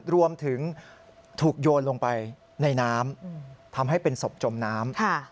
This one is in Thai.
รวมถึงถูกโยนลงไปในน้ำทำให้เป็นศพจมน้ำ